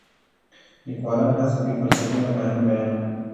لیکوالان هڅه کوي فلسفي مفاهیم بیان کړي.